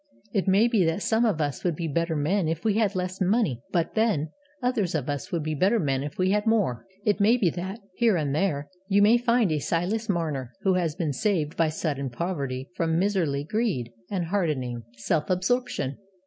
It may be that some of us would be better men if we had less money; but then, others of us would be better men if we had more. It may be that, here and there, you may find a Silas Marner who has been saved by sudden poverty from miserly greed and hardening self absorption.